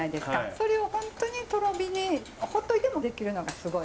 それを本当にとろ火にほっといてもできるのがすごい。